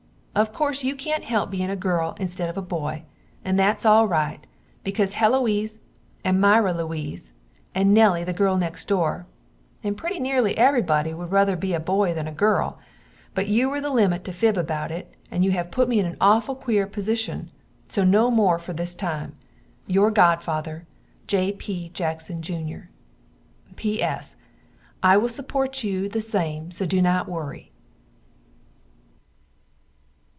Of corse you cant help bein a girl insted of a boy and thats al rite because Heloise and Myra Louise and Nelly the girl next dore and pretty nerely every body wood ruther be a boy than a girl, but you were the limit to fib about it and you have put me in a auful queer posishun, so no more fer this time. Your godfather, J.P. Jackson Jr. P.S. I will suport you just the same so do not worry.